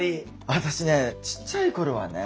私ねちっちゃい頃はね